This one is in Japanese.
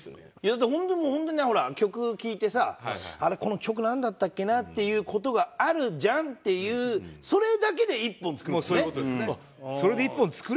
だって本当にほら曲聴いてさ「あれこの曲なんだったっけな？」っていう事があるじゃんっていうそれだけで１本作るもんね。